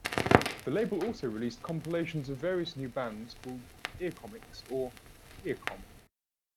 The label also released compilations of various new bands called 'ear comics' or "Earcom".